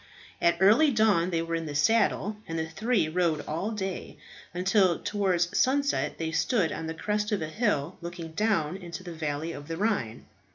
At early dawn they were in the saddle, and the three rode all day, until towards sunset they stood on the crest of a hill looking down into the valley of the Rhine.